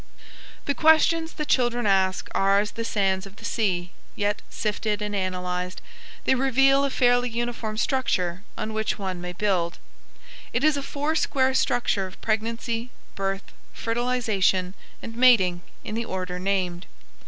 The questions that children ask are as the sands of the sea, yet sifted and analyzed, they reveal a fairly uniform structure on which one may build. It is a foursquare structure of pregnancy, birth, fertilization, and mating, in the order named.